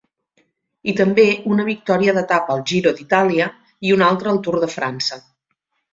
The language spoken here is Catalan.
I també una victòria d'etapa al Giro d'Itàlia i una altra al Tour de França.